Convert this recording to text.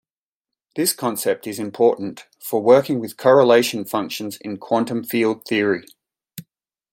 This concept is important for working with correlation functions in quantum field theory.